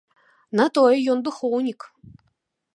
На тое ён духоўнік.